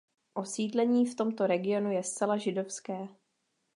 Osídlení v tomto regionu je zcela židovské.